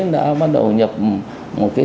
đã bắt đầu nhập một cái